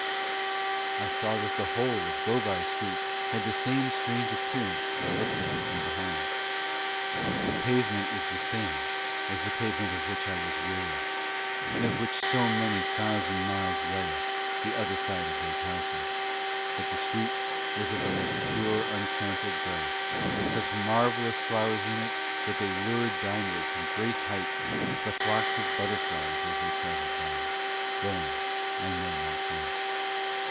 I saw that the whole of Go by Street had the same strange appearance when looked at from behind. The pavement was the same as the pavement of which I was weary and of which so many thousand miles lay the other side of those houses, but the street was of most pure untrampled grass with such marvellous flowers in it that they lured downward from great heights the flocks of butterflies as they traveled by, going I know not whence.